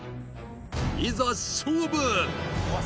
いざ勝負！